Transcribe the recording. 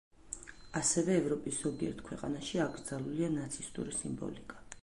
ასევე, ევროპის ზოგიერთ ქვეყანაში აკრძალულია ნაცისტური სიმბოლიკა.